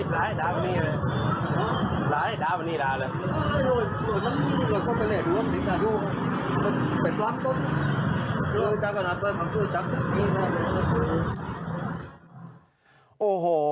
ลางให้ตาตุ้นี่ละ